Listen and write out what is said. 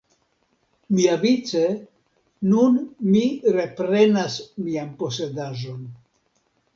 Miavice nun mi reprenas mian posedaĵon.